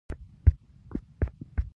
شين چای، شنه پاڼه، شنه لښته.